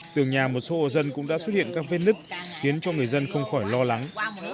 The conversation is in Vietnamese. tường nhà một số hộ dân cũng đã xuất hiện các vết nứt khiến cho người dân không khỏi lo lắng